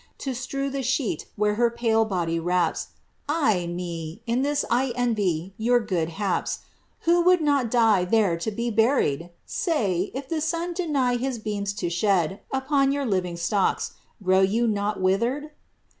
To strew tfie sheet which her pale body wrapsn Ay me 1 in this I envy jrour good haps— Who would not die there to be buried f Say, if the sun deny his beams to shed Upon your living stalkA, grow you not withered!